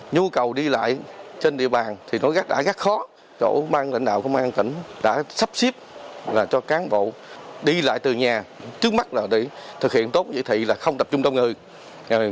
nhu cầu đi lại trên địa bàn thì nó đã rất khó chỗ mang lãnh đạo công an tỉnh đã sắp xếp cho cán bộ đi lại từ nhà trước mắt là để thực hiện tốt chỉ thị là không tập trung đông người